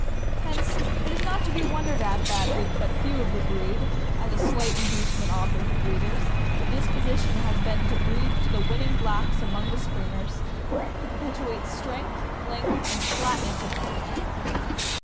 Hence it is not to be wondered at that, with but few of the breed, and the slight inducement offered to breeders, the disposition has been to breed to the (323) 324 THE AMERICAN BOOK OF THE DOG. winning blacks among the Springers, to perpetuate strength, length, and flatness of coat.